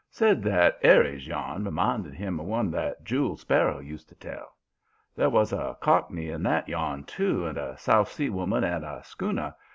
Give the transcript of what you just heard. Said that Eri's yarn reminded him of one that Jule Sparrow used to tell. There was a Cockney in that yarn, too, and a South Sea woman and a schooner.